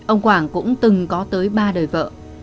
ông quảng cũng từng có tới ba đời vợ